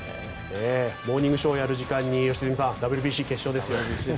「モーニングショー」をやる時間にＷＢＣ決勝ですよ。